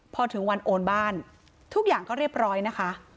พอถึงวันโอนบ้านทุกอย่างก็เรียบร้อยนะคะ